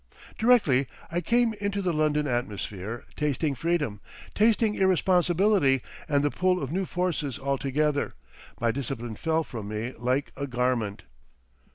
Directly I came into the London atmosphere, tasting freedom, tasting irresponsibility and the pull of new forces altogether, my discipline fell from me like a garment.